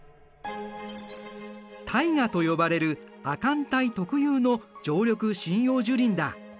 タイガと呼ばれる亜寒帯特有の常緑針葉樹林だ。